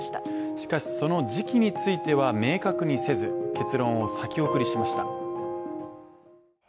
しかし、その時期については明確にせず結論を先送りしました。